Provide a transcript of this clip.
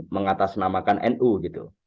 mengatasnamakan nu gitu